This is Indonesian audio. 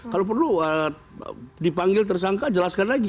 kalau perlu dipanggil tersangka jelaskan lagi